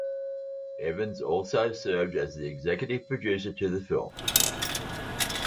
Evans also served as the executive producer to the film.